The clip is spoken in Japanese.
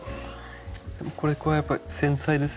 これはやっぱり繊細ですよね。